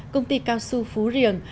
công ty cao xu phú riềng